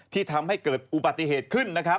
ที่ทำให้เกิดอุปัติเหตุขึ้น